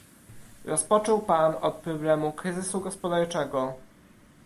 Rozpoczął pan od problemu kryzysu gospodarczego